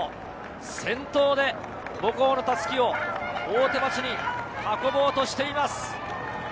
先頭で母校の襷を大手町に運ぼうとしています。